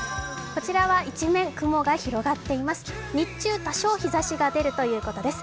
こちらは一面、雲が広がっています。